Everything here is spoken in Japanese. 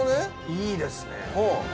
いいですね。